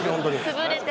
潰れて？